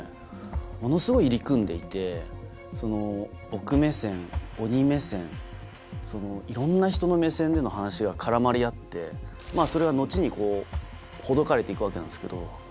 ものすごい入り組んでいて僕目線鬼目線いろんな人の目線での話が絡まり合ってそれは後にほどかれて行くわけなんですけど。